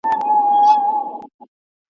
له یخنیه وه بېزار خلک له ګټو `